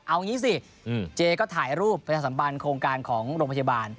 เอางี้สิเจก็ถ่ายรูปประชาสัมบันโครงการของโรงพยาบาล